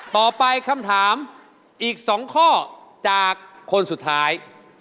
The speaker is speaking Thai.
คำถามอีก๒ข้อจากคนสุดท้าย